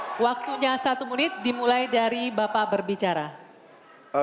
pak ganjar waktunya satu menit dimulai dari bapak berbicara